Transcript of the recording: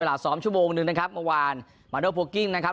สองชั่วโมงหนึ่งนะครับเมื่อวานมาโดโพลกิ้งนะครับ